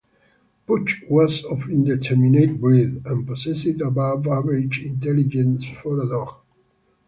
Pooch was of indeterminate breed, and possessed above average intelligence for a dog.